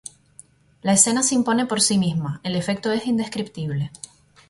La escena se impone por sí misma, el efecto es indescriptible.